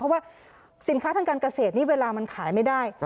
เพราะว่าสินค้าทางการเกษตรนี่เวลามันขายไม่ได้